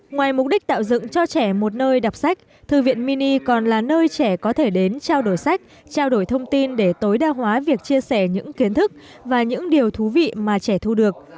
ngoài mục đích tạo dựng cho trẻ một nơi đọc sách thư viện mini còn là nơi trẻ có thể đến trao đổi sách trao đổi thông tin để tối đa hóa việc chia sẻ những kiến thức và những điều thú vị mà trẻ thu được